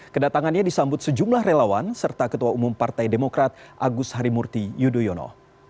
kedatangannya disambut sejumlah relawan serta ketua umum partai demokrat agus harimurti yudhoyono